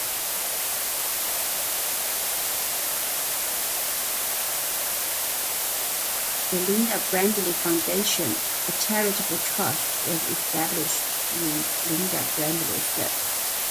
The Lynde Bradley Foundation, a charitable trust, was established with Lynde Bradley's assets.